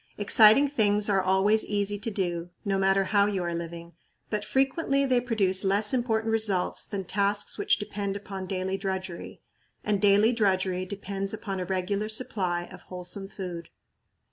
Exciting things are always easy to do, no matter how you are living, but frequently they produce less important results than tasks which depend upon daily drudgery; and daily drudgery depends upon a regular supply of wholesome food.